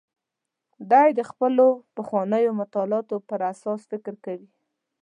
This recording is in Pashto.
دی د خپلو پخوانیو مطالعاتو پر اساس فکر کوي.